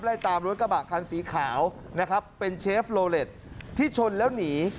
ไล่ตามรถกระบะคันสีขาวนะครับเป็นเชฟโลเล็ตที่ชนแล้วหนี